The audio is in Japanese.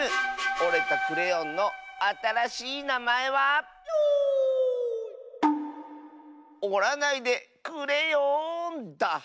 おれたクレヨンのあたらしいなまえは「おらないでくれよん」だ！